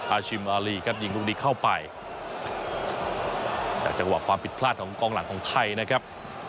อาชิมอารีครับยิงลูกนี้เข้าไปจากจังหวะความผิดพลาดของกองหลังของไทยนะครับ